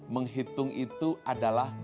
menghitung itu adalah